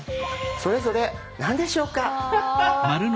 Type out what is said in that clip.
それぞれ何でしょうか？